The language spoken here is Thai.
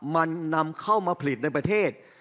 มันนำเข้ามาผลิตในประเทศ